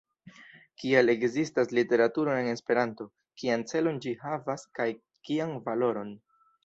kial ekzistas literaturo en Esperanto, kian celon ĝi havas kaj kian valoron.